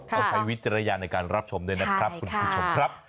ใช้วิจารณญาณในการรับชมด้วยนะครับคุณผู้ชมครับ